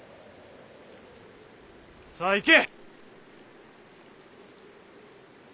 さあ行け！